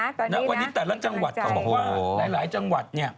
วันนี้แต่ละจังหวัดก็บอกว่าหลายจังหวัด